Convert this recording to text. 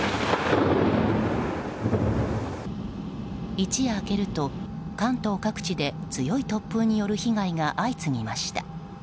一夜明けると関東各地で強い突風による被害が相次ぎました。